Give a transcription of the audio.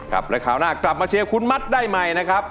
ครับและคราวหน้ากลับมาเชียร์คุณมัดได้ใหม่นะครับ